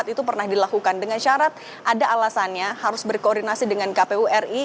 itu pernah dilakukan dengan syarat ada alasannya harus berkoordinasi dengan kpu ri